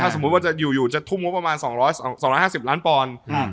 ถ้าสมมุติว่าจะอยู่จะทุ่มว่าประมาณ๒๕๐ล้านพร